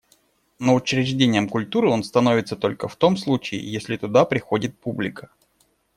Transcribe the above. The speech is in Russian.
Но учреждением культуры он становится только в том случае, если туда приходит публика.